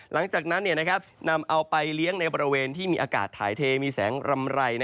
หลังจากนั้นนำเอาไปเลี้ยงในบริเวณที่มีอากาศถ่ายเทมีแสงรำไร